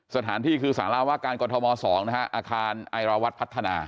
สถานที่คือสาราว่าการกรทม๒นะฮะอาคารไอราวัตรพัฒนา